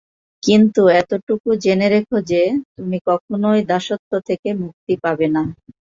কিন্তু এতটুকু জেনে রাখো যে, তুমি কখনও দাসত্ব থেকে মুক্তি পাবে না।